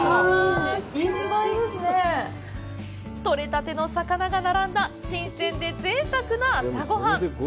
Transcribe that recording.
獲れたての魚が並んだ、新鮮で、ぜいたくな朝ごはん！